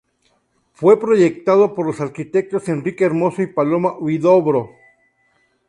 Fue proyectado por los arquitectos Enrique Hermoso y Paloma Huidobro.